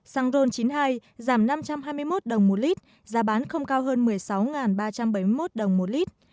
xăng ron chín mươi hai giảm năm trăm hai mươi một đồng một lít giá bán không cao hơn một mươi sáu ba trăm bảy mươi một đồng một lít